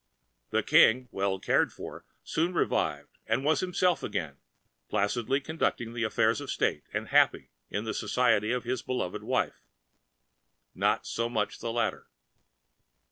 The King, well cared for, soon revived[Pg 223] and was himself again, placidly conducting the affairs of state, and happy in the society of his beloved wife. Not so the latter.